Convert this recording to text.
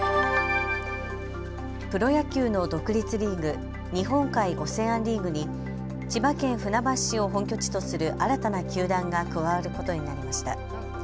プロ野球の独立リーグ、日本海オセアンリーグに千葉県船橋市を本拠地とする新たな球団が加わることになりました。